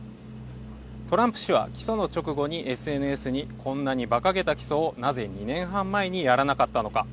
トランプ氏は起訴の直後にＳＮＳにこんなに馬鹿げた起訴をなぜ２年半前にやらなかったのか